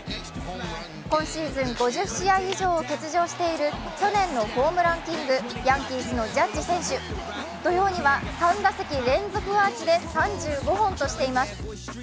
今シーズン５０試合以上を欠場している去年のホームランキング、ヤンキースのジャッジ選手、土曜日には３打席連続アーチで３５本としています。